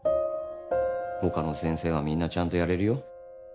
他の先生はみんなちゃんとやれるよ